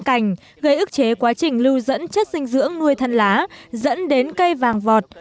cành gây ức chế quá trình lưu dẫn chất dinh dưỡng nuôi thân lá dẫn đến cây vàng vọt